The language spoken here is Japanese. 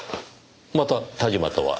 また田島とは？